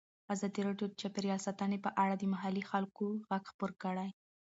ازادي راډیو د چاپیریال ساتنه په اړه د محلي خلکو غږ خپور کړی.